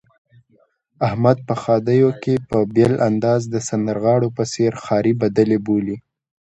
احمد په ښادیو کې په بېل انداز د سندرغاړو په څېر ښاري بدلې بولي.